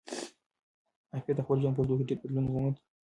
ایا پییر د خپل ژوند په اوږدو کې ډېر بدلون وموند؟